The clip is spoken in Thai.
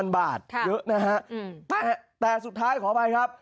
๑๓๐๐๐บาทเยอะนะครับแต่สุดท้ายขออภัยครับ